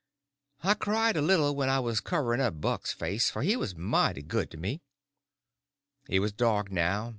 I cried a little when I was covering up Buck's face, for he was mighty good to me. It was just dark now.